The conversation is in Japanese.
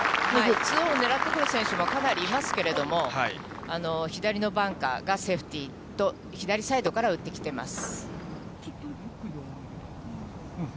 ２オンねらってくる選手もかなりいますけれども、左のバンカーがセーフティーと、左サイドから打ってきてます。